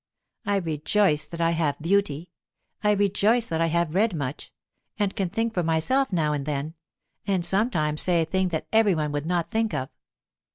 I rejoice that I have beauty; I rejoice that I have read much, and can think for myself now and then, and sometimes say a thing 'that every one would not think of.